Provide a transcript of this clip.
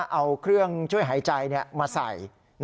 เอาเครื่องช่วยหายใจมาใส่